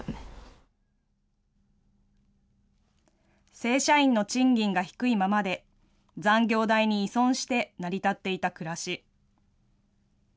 正社員の賃金が低いままで、残業代に依存して成り立っていた暮らし。